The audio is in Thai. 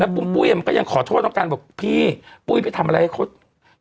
ปุ้มปุ้ยมันก็ยังขอโทษน้องกันบอกพี่ปุ้ยไปทำอะไรให้เขา